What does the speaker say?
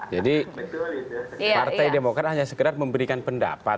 jadi partai demokrat hanya sekadar memberikan pendapat